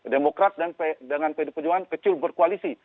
demokrat dengan pdip kecil berkoalisi